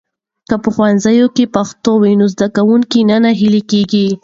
که په ښوونځي کې پښتو وي، نو زده کوونکي نه ناهيلي کېږي.